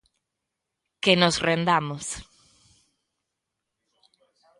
Que nos rendamos.